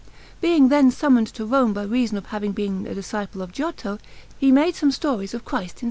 Being then summoned to Rome by reason of having been a disciple of Giotto, he made some stories of Christ in S.